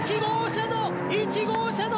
１号車の！